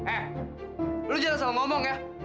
eh lo jangan salah ngomong ya